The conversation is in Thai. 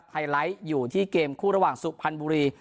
ไฮไลท์อยู่ที่เกมคู่ระหว่างสุพรรณบุรี